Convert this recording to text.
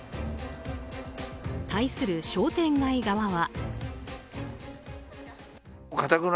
対する商店街側は。